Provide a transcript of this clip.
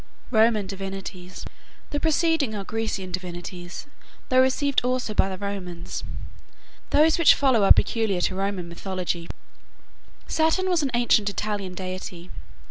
ROMAN DIVINITIES The preceding are Grecian divinities, though received also by the Romans. Those which follow are peculiar to Roman mythology: Saturn was an ancient Italian deity.